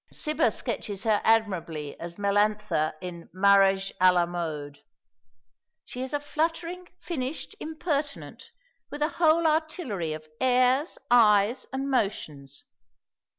Cibber sketches her admirably as Melantha in "Marriage à la Mode:" "She is a fluttering, finished impertinent, with a whole artillery of airs, eyes, and motions.